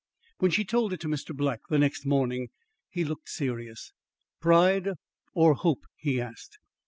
When she told it to Mr. Black the next morning, he looked serious. "Pride or hope?" he asked.